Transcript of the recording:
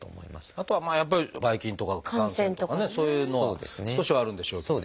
あとはやっぱりばい菌とか感染とかねそういうのは少しはあるんでしょうけれど。